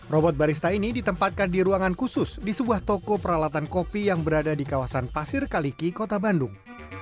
robot barista ini ditempatkan di ruangan khusus di sebuah toko peralatan kopi yang berada di kawasan pasir kaliki kota bandung